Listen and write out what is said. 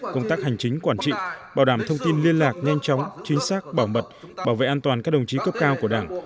công tác hành chính quản trị bảo đảm thông tin liên lạc nhanh chóng chính xác bảo mật bảo vệ an toàn các đồng chí cấp cao của đảng